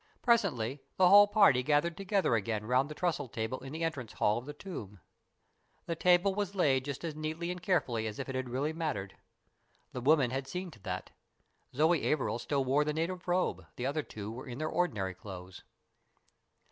Presently the whole party gathered together again round the trestle table in the entrance hall of the tomb. The table was laid just as neatly and carefully as if it had really mattered. The women had seen to that. Zoe Averil still wore the native robe, the other two were in their ordinary clothes.